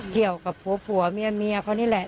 เกี่ยวกับผัวเมียเมียเขานี่แหละ